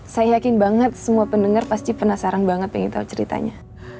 saya yakin banget semua pendengar pasti penasaran banget pengen tahu ceritanya